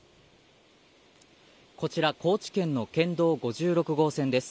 こちら、高知県の県道５６号線です。